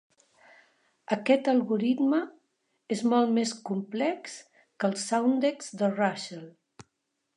Aquest algoritme és molt més complex que el Soundex de Russell.